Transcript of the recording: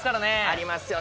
ありますよ。